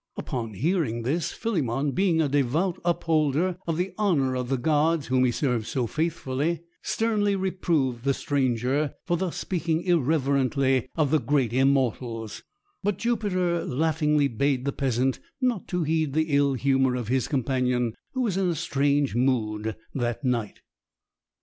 Upon hearing this, Philemon, being a devout upholder of the honour of the gods whom he served so faithfully, sternly reproved the stranger for thus speaking irreverently of the great Immortals; but Jupiter laughingly bade the peasant not to heed the ill humour of his companion, who was in a strange mood that night.